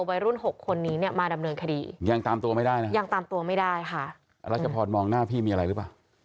พี่มีไม่มีไม่มีเลยพี่ไม่มีอะไรเลย